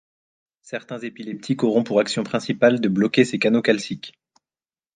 Certains épileptiques auront pour action principale de bloquer ces canaux calciques.